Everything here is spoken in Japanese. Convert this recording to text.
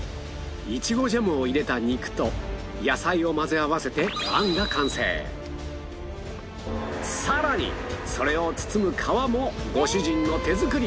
いちごジャムを入れた肉と野菜を混ぜ合わせてさらにそれを包む皮もご主人の手作り